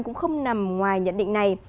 cũng không nằm ngoài nhận định này